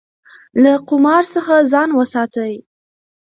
له قمار څخه ځان وساتئ.